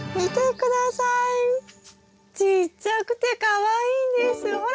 ちっちゃくてかわいいんですよ。ほら！